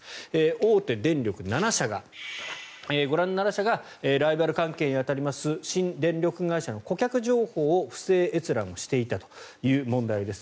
大手電力７社、ご覧の７社がライバル関係に当たります新電力会社の顧客情報を不正閲覧していたという問題です。